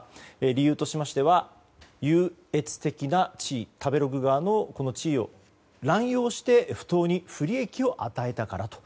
理由としましては優越的な地位食べログ側の地位を乱用して不当に不利益を与えたからと。